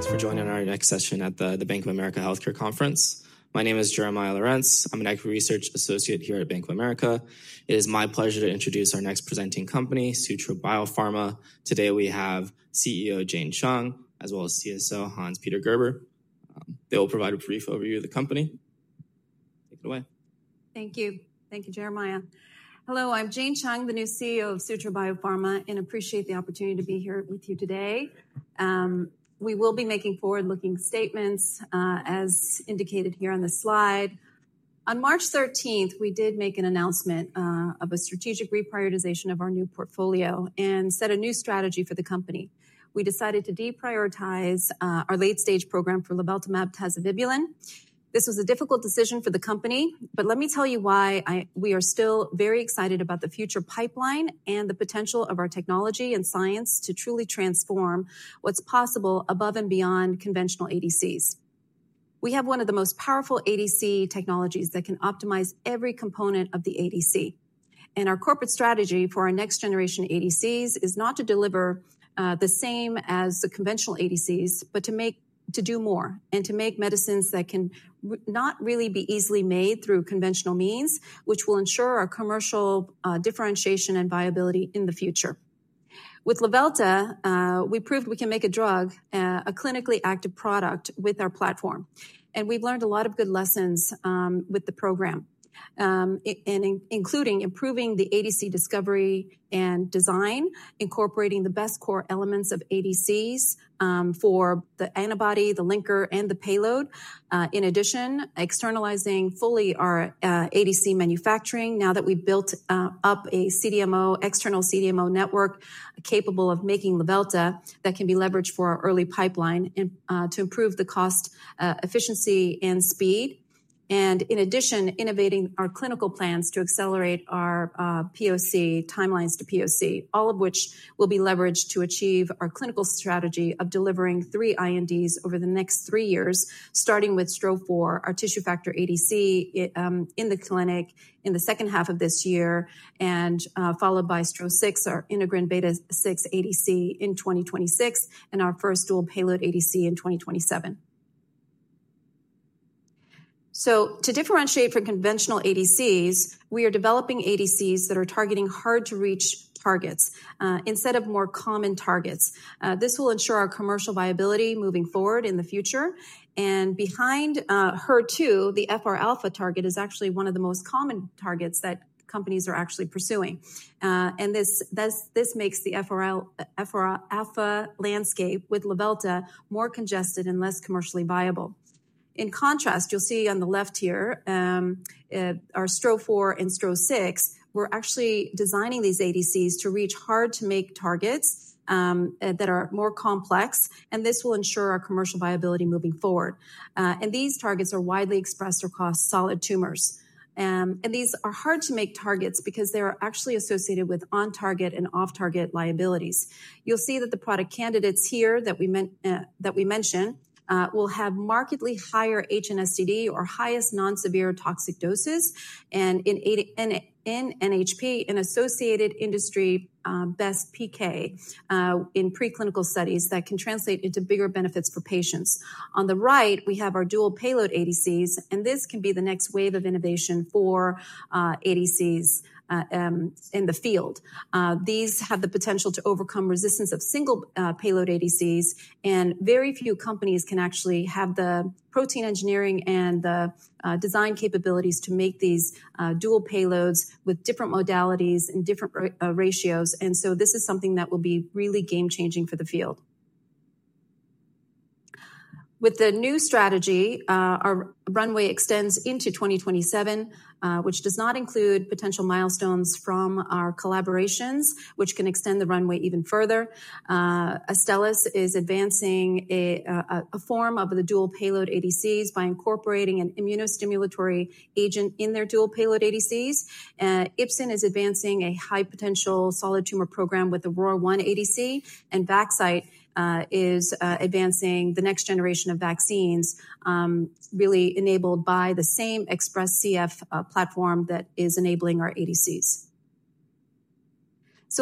Thanks for joining our next session at the Bank of America Healthcare Conference. My name is Jeremiah Lorentz. I'm an Equity Research Associate here at Bank of America. It is my pleasure to introduce our next presenting company, Sutro Biopharma. Today we have CEO Jane Chung, as well as CSO Hans-Peter Gerber. They will provide a brief overview of the company. Take it away. Thank you. Thank you, Jeremiah. Hello, I'm Jane Chung, the new CEO of Sutro Biopharma, and I appreciate the opportunity to be here with you today. We will be making forward-looking statements, as indicated here on the slide. On March 13, we did make an announcement of a strategic reprioritization of our new portfolio and set a new strategy for the company. We decided to deprioritize our late-stage program for luveltamab tazevibulin. This was a difficult decision for the company, but let me tell you why we are still very excited about the future pipeline and the potential of our technology and science to truly transform what's possible above and beyond conventional ADCs. We have one of the most powerful ADC Technologies that can optimize every component of the ADC. Our corporate strategy for our next-generation ADCs is not to deliver the same as the conventional ADCs, but to do more and to make medicines that cannot really be easily made through conventional means, which will ensure our commercial differentiation and viability in the future. With luveltamab, we proved we can make a drug, a clinically active product, with our platform. We have learned a lot of good lessons with the program, including improving the ADC discovery and design, incorporating the best core elements of ADCs for the antibody, the linker, and the payload. In addition, externalizing fully our ADC manufacturing now that we have built up an external CDMO network capable of making luveltamab that can be leveraged for our early pipeline to improve the cost efficiency and speed. In addition, innovating our clinical plans to accelerate our POC timelines to POC, all of which will be leveraged to achieve our clinical strategy of delivering three INDs over the next three years, starting with STRO-004, our tissue factor ADC in the clinic in the second half of this year, followed by STRO-006, our integrin beta-6 ADC in 2026, and our first dual payload ADC in 2027. To differentiate from conventional ADCs, we are developing ADCs that are targeting hard-to-reach targets instead of more common targets. This will ensure our commercial viability moving forward in the future. Behind HER2, the FR-alpha target is actually one of the most common targets that companies are actually pursuing. This makes the FR-alpha landscape with luveltamab tazevibulin more congested and less commercially viable. In contrast, you'll see on the left here our STRO-004 and STRO-006. We're actually designing these ADCs to reach hard-to-make targets that are more complex, and this will ensure our commercial viability moving forward. These targets are widely expressed across solid tumors. These are hard-to-make targets because they are actually associated with on-target and off-target liabilities. You'll see that the product candidates here that we mention will have markedly higher HNSTD, or highest non-severe toxic doses, and in NHP, an associated industry best PK in preclinical studies that can translate into bigger benefits for patients. On the right, we have our dual payload ADCs, and this can be the next wave of innovation for ADCs in the field. These have the potential to overcome resistance of single payload ADCs, and very few companies can actually have the protein engineering and the design capabilities to make these dual payloads with different modalities and different ratios. This is something that will be really game-changing for the field. With the new strategy, our runway extends into 2027, which does not include potential milestones from our collaborations, which can extend the runway even further. Astellas is advancing a form of the dual payload ADCs by incorporating an immunostimulatory agent in their dual payload ADCs. Ipsen is advancing a high-potential solid tumor program with the ROR1 ADC, and Vaxcyte is advancing the next generation of vaccines, really enabled by the same XpressCF platform that is enabling our ADCs.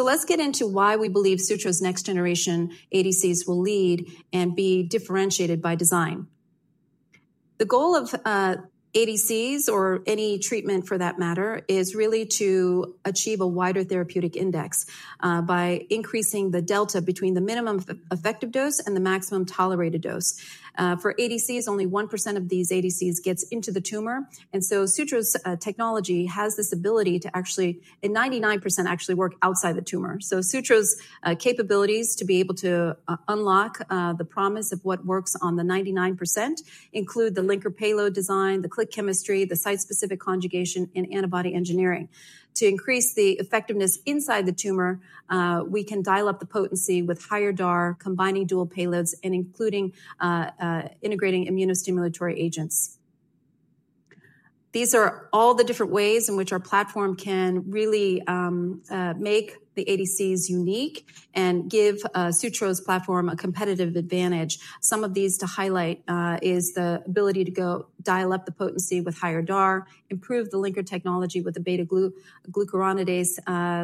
Let's get into why we believe Sutro's next-generation ADCs will lead and be differentiated by design. The goal of ADCs, or any treatment for that matter, is really to achieve a wider therapeutic index by increasing the delta between the minimum effective dose and the maximum tolerated dose. For ADCs, only 1% of these ADCs gets into the tumor. Sutro's technology has this ability to actually, in 99%, actually work outside the tumor. Sutro's capabilities to be able to unlock the promise of what works on the 99% include the linker payload design, the click chemistry, the site-specific conjugation, and antibody engineering. To increase the effectiveness inside the tumor, we can dial up the potency with higher DAR, combining dual payloads and integrating immunostimulatory agents. These are all the different ways in which our platform can really make the ADCs unique and give Sutro's platform a competitive advantage. Some of these to highlight is the ability to dial up the potency with higher DAR, improve the linker technology with the beta-glucuronidase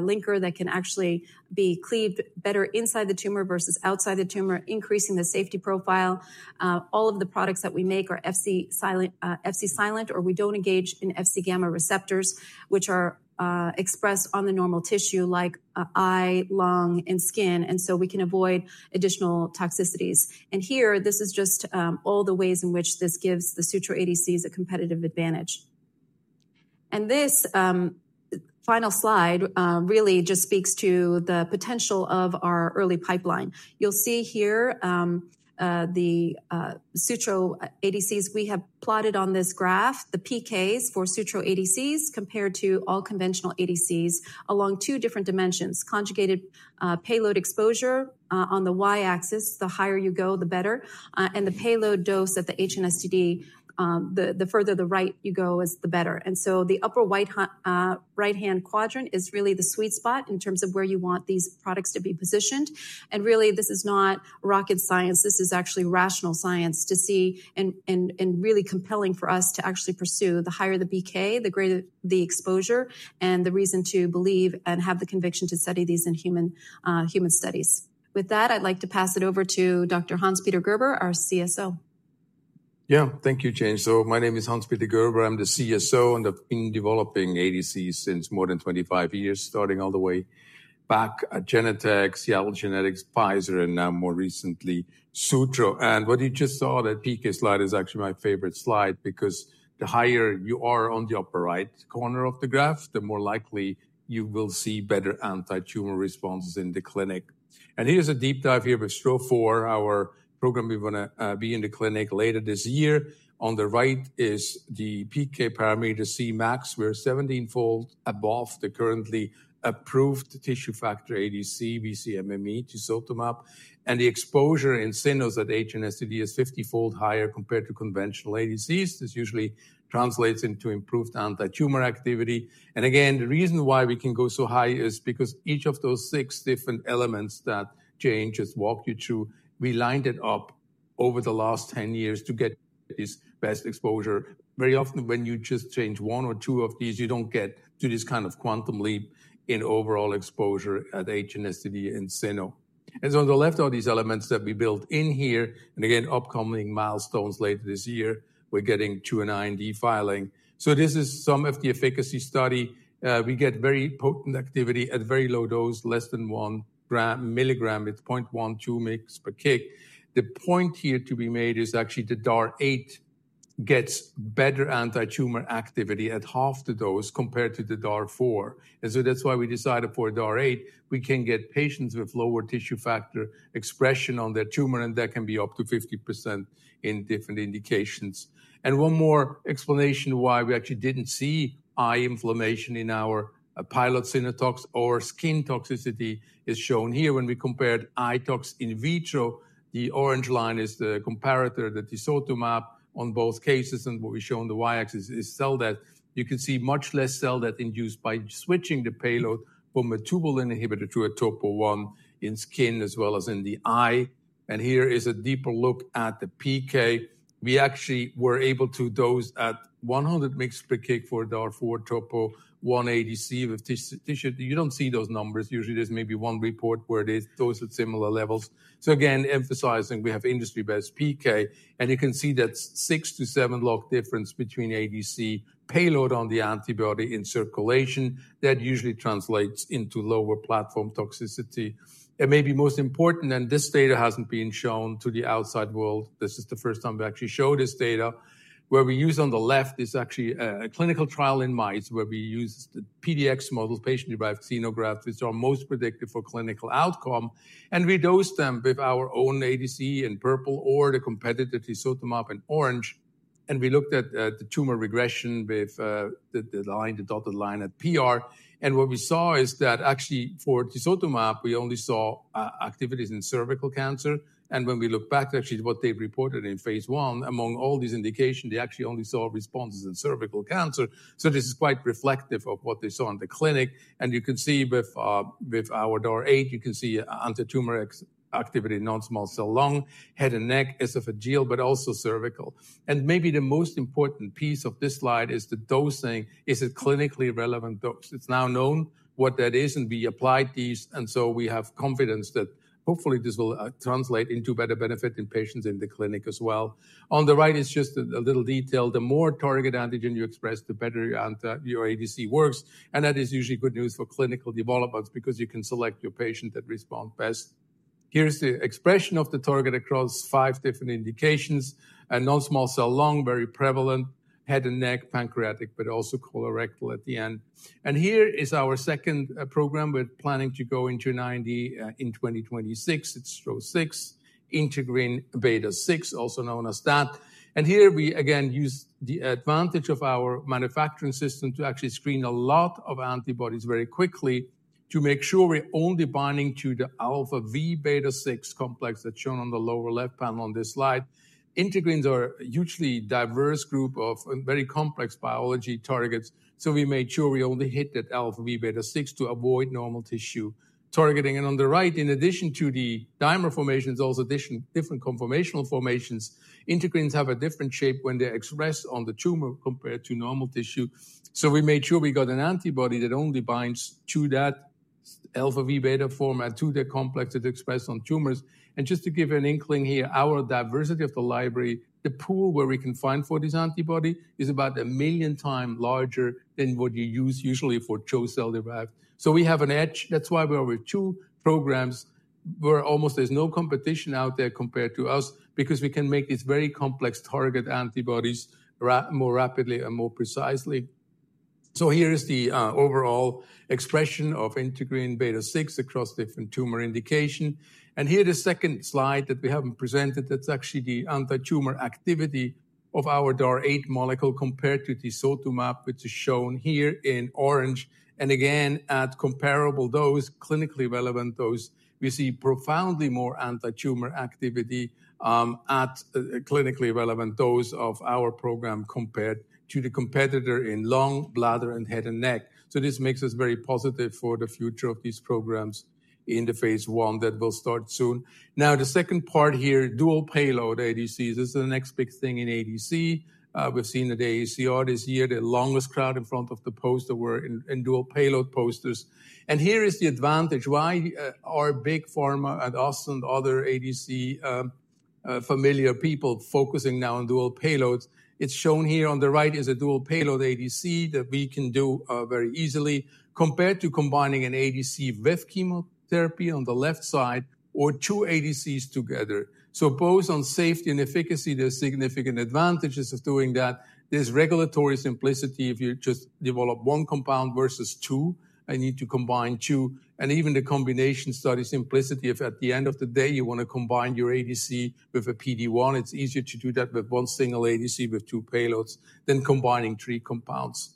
linker that can actually be cleaved better inside the tumor versus outside the tumor, increasing the safety profile. All of the products that we make are FC silent, or we don't engage in FC gamma receptors, which are expressed on the normal tissue, like eye, lung, and skin. We can avoid additional toxicities. Here, this is just all the ways in which this gives the Sutro ADCs a competitive advantage. This final slide really just speaks to the potential of our early pipeline. You'll see here the Sutro ADCs we have plotted on this graph, the PKs for Sutro ADCs compared to all conventional ADCs along two different dimensions: conjugated payload exposure on the y-axis, the higher you go, the better, and the payload dose at the HNSTD, the further to the right you go, the better. The upper right-hand quadrant is really the sweet spot in terms of where you want these products to be positioned. This is not rocket science. This is actually rational science to see and really compelling for us to actually pursue. The higher the PK, the greater the exposure, and the reason to believe and have the conviction to study these in human studies. With that, I'd like to pass it over to Dr. Hans-Peter Gerber, our CSO. Yeah, thank you, Jane. So my name is Hans-Peter Gerber. I'm the CSO, and I've been developing ADCs since more than 25 years, starting all the way back at Genentech, Seagen, Pfizer, and now more recently Sutro. What you just saw, that PK slide, is actually my favorite slide because the higher you are on the upper right corner of the graph, the more likely you will see better anti-tumor responses in the clinic. Here's a deep dive here with STRO-004, our program we want to be in the clinic later this year. On the right is the PK parameter Cmax. We're 17-fold above the currently approved tissue factor ADC, we see MME, tisotumab vedotin. The exposure in cynos at HNSTD is 50-fold higher compared to conventional ADCs. This usually translates into improved anti-tumor activity. The reason why we can go so high is because each of those six different elements that Jane just walked you through, we lined it up over the last 10 years to get this best exposure. Very often, when you just change one or two of these, you do not get to this kind of quantum leap in overall exposure at HNSTD and SINDOW. On the left are these elements that we built in here. Upcoming milestones later this year, we are getting to an IND filing. This is some of the efficacy study. We get very potent activity at very low dose, less than 1 mg. It is 0.12 mg/kg. The point here to be made is actually the DAR8 gets better anti-tumor activity at half the dose compared to the DAR4. That is why we decided for DAR8. We can get patients with lower tissue factor expression on their tumor, and that can be up to 50% in different indications. One more explanation why we actually didn't see eye inflammation in our pilot synotox or skin toxicity is shown here. When we compared eye tox in vitro, the orange line is the comparator that is tisotumab on both cases. What we show on the y-axis is cell death. You can see much less cell death induced by switching the payload from a tubulin inhibitor to a topo one in skin as well as in the eye. Here is a deeper look at the PK. We actually were able to dose at 100 mg/kg for DAR4, topo one ADC with tissue. You don't see those numbers. Usually, there's maybe one report where it is dosed at similar levels. Again, emphasizing we have industry-based PK. You can see that six to seven log difference between ADC payload on the antibody in circulation. That usually translates into lower platform toxicity. Maybe most important, and this data has not been shown to the outside world, this is the first time we actually show this data, where we use on the left is actually a clinical trial in mice where we use the PDX models, patient-derived xenografts, which are most predictive for clinical outcome. We dose them with our own ADC in purple or the competitor Tisotumab vedotin in orange. We looked at the tumor regression with the dotted line at PR. What we saw is that actually for Tisotumab vedotin, we only saw activities in cervical cancer. When we look back to actually what they reported in phase one, among all these indications, they actually only saw responses in cervical cancer. This is quite reflective of what they saw in the clinic. You can see with our DAR8, you can see anti-tumor activity in non-small cell lung, head and neck, esophageal, but also cervical. Maybe the most important piece of this slide is the dosing. Is it clinically relevant dose? It is now known what that is, and we applied these. We have confidence that hopefully this will translate into better benefit in patients in the clinic as well. On the right is just a little detail. The more target antigen you express, the better your ADC works. That is usually good news for clinical developments because you can select your patient that responds best. Here's the expression of the target across five different indications: non-small cell lung, very prevalent, head and neck, pancreatic, also colorectal at the end. Here is our second program. We're planning to go into an IND in 2026. It's STRO-006, integrin beta-6, also known as that. Here we again use the advantage of our manufacturing system to actually screen a lot of antibodies very quickly to make sure we're only binding to the alpha V beta-6 complex that's shown on the lower left panel on this slide. Integrins are a hugely diverse group of very complex biology targets. We made sure we only hit that alpha V beta-6 to avoid normal tissue targeting. On the right, in addition to the dimer formations, also different conformational formations, integrins have a different shape when they're expressed on the tumor compared to normal tissue. We made sure we got an antibody that only binds to that alpha V beta form and to the complex that is expressed on tumors. Just to give you an inkling here, our diversity of the library, the pool where we can find for this antibody, is about a million times larger than what you usually use for CHO-cell derived. We have an edge. That's why we're with two programs where almost there's no competition out there compared to us because we can make these very complex target antibodies more rapidly and more precisely. Here is the overall expression of integrin beta-6 across different tumor indications. Here's the second slide that we haven't presented. That's actually the anti-tumor activity of our DAR8 molecule compared to Tisotumab vedotin, which is shown here in orange. At comparable dose, clinically relevant dose, we see profoundly more anti-tumor activity at clinically relevant dose of our program compared to the competitor in lung, bladder, and head and neck. This makes us very positive for the future of these programs in the phase one that will start soon. The second part here, dual payload ADCs, this is the next big thing in ADC. We've seen at AACR this year, the longest crowd in front of the poster were in dual payload posters. Here is the advantage. Why are Big Pharma and us and other ADC familiar people focusing now on dual payloads? It's shown here on the right is a dual payload ADC that we can do very easily compared to combining an ADC with chemotherapy on the left side or two ADCs together. Both on safety and efficacy, there's significant advantages of doing that. There's regulatory simplicity if you just develop one compound versus two. I need to combine two. Even the combination study simplicity, if at the end of the day you want to combine your ADC with a PD-1, it's easier to do that with one single ADC with two payloads than combining three compounds.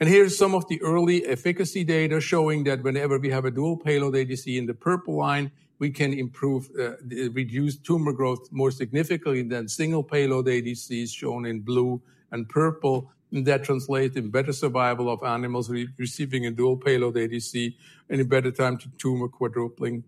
Here's some of the early efficacy data showing that whenever we have a dual payload ADC in the purple line, we can improve the reduced tumor growth more significantly than single payload ADCs shown in blue and purple. That translates to better survival of animals receiving a dual payload ADC and a better time to tumor quadrupling.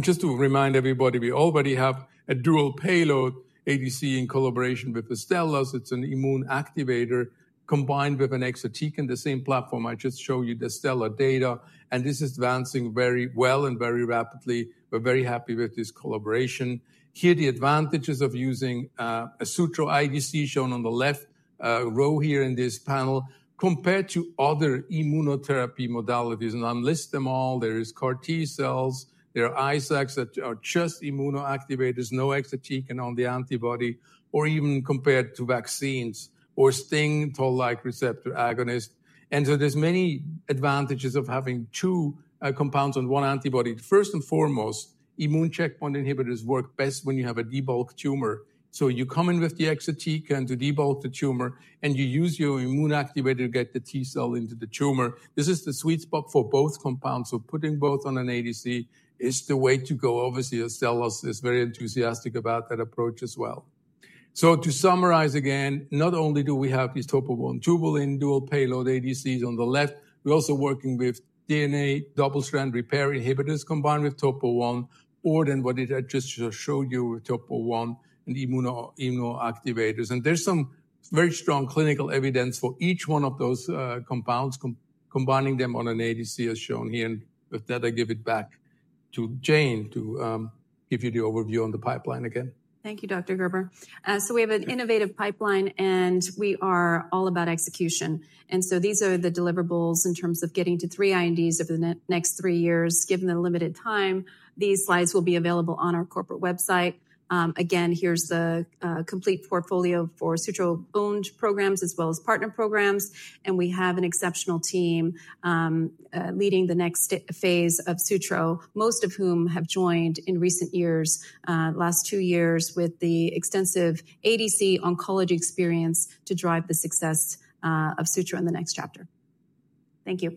Just to remind everybody, we already have a dual payload ADC in collaboration with Astellas. It's an immune activator combined with an exotoxin in the same platform. I just showed you the STRO-004 data. This is advancing very well and very rapidly. We're very happy with this collaboration. Here are the advantages of using a Sutro ADC shown on the left row here in this panel compared to other immunotherapy modalities. I'll list them all. There are CAR T cells. There are ISACs that are just immunoactivators, no exotoxin on the antibody, or even compared to vaccines or STING toll-like receptor agonist. There are many advantages of having two compounds on one antibody. First and foremost, immune checkpoint inhibitors work best when you have a debulked tumor. You come in with the exotoxin to debulk the tumor, and you use your immune activator to get the T cell into the tumor. This is the sweet spot for both compounds. Putting both on an ADC is the way to go. Obviously, Astellas is very enthusiastic about that approach as well. To summarize again, not only do we have these topo one tubulin dual payload ADCs on the left, we're also working with DNA double-strand repair inhibitors combined with topo one, or then what I had just showed you with topo one and immunoactivators. There is some very strong clinical evidence for each one of those compounds, combining them on an ADC as shown here. With that, I give it back to Jane to give you the overview on the pipeline again. Thank you, Dr. Gerber. We have an innovative pipeline, and we are all about execution. These are the deliverables in terms of getting to three INDs over the next three years. Given the limited time, these slides will be available on our corporate website. Here is the complete portfolio for Sutro-owned programs as well as partner programs. We have an exceptional team leading the next phase of Sutro, most of whom have joined in recent years, last two years with the extensive ADC oncology experience to drive the success of Sutro in the next chapter. Thank you.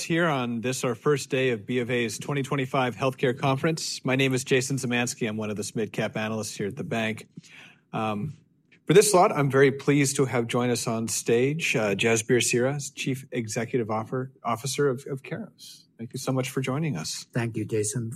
Thank you for joining us here on this, our first day of BofA's 2025 Healthcare Conference. My name is Jason Zemansky. I'm one of the SMIDCap analysts here at the bank. For this slot, I'm very pleased to have join us on stage, Jasbir Seehra, Chief Executive Officer of Corvus Pharmaceuticals. Thank you so much for joining us. Thank you, Jason.